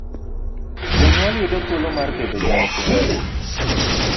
Jonyuol yudo thuolo mar bedo gi nyithindgi.